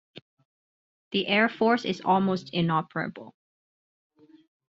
The Air Force is almost inoperable.